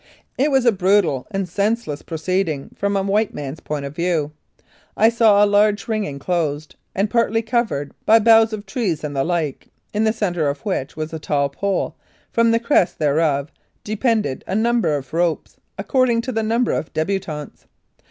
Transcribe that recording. It was a brutal and senseless proceeding, from a white man's point of view. I saw a large ring enclosed, and partly covered by boughs of trees and the like, in the centre of which was a tall pole, from the crest whereof depended a number of ropes, according to the number of debutants.